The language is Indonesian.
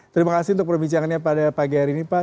terima kasih untuk perbincangannya pada pagi hari ini pak